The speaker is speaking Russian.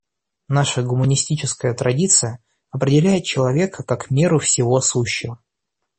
Наша гуманистическая традиция определяет человека как меру всего сущего.